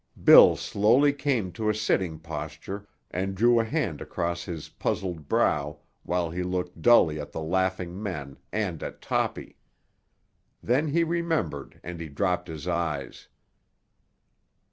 Bill slowly came to a sitting posture and drew a hand across his puzzled brow while he looked dully at the laughing men and at Toppy. Then he remembered and he dropped his eyes.